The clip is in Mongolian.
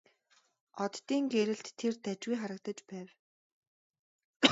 Оддын гэрэлд тэр дажгүй харагдаж байв.